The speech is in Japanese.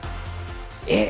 えっ！